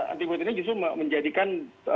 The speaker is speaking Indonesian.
antibody ini justru menjadikan